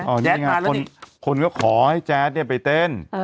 นี่ไงคนก็ขอให้แจ๊ดเนี่ยไปเต้น